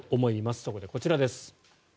そこで、こちらです。